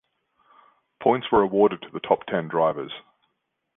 Points were awarded to the top ten drivers.